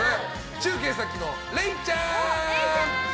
中継先の、れいちゃん！